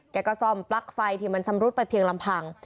แกก็ซ่อมปลั๊กไฟที่มันชำรุดไปเพียงลำพัง